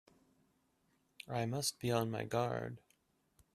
I must be on my guard!